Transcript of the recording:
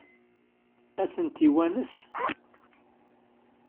Ad tent-iwanes?